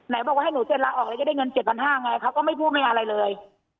ไหนบอกว่าให้หนูเจ็ดละออกเลยก็ได้เงินเจ็ดพันห้าไงเขาก็ไม่พูดไม่อะไรเลย